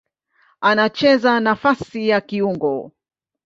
Anacheza nafasi ya kiungo.